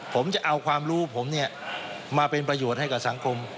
ผมจะเอาความรู้ผมมาเป็นประโยชน์ให้กับสังคม